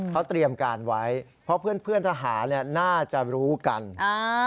เขาเตรียมการไว้เพราะเพื่อนเพื่อนทหารเนี่ยน่าจะรู้กันอ่า